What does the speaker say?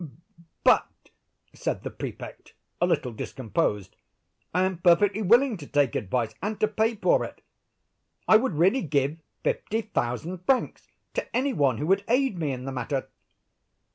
'" "But," said the Prefect, a little discomposed, "I am perfectly willing to take advice, and to pay for it. I would really give fifty thousand francs to any one who would aid me in the matter."